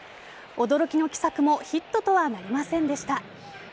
驚きの奇策もヒットとはなりませんでした。